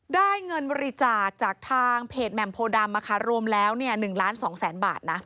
ได้เงินบริจาคจากทางเพจแหม่มโพดำรวมแล้ว๑ล้าน๒แสนบาทนะ